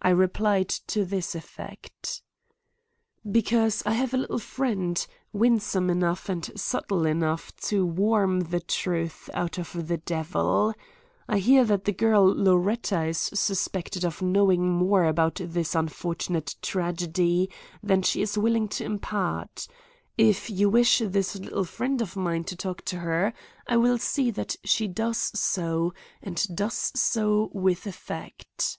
I replied to this effect: "Because I have a little friend, winsome enough and subtle enough to worm the truth out of the devil. I hear that the girl Loretta is suspected of knowing more about this unfortunate tragedy than she is willing to impart. If you wish this little friend of mine to talk to her, I will see that she does so and does so with effect."